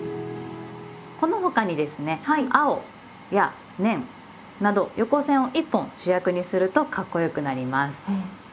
この他にですね「青」や「年」など横線を１本主役にするとかっこよくなります。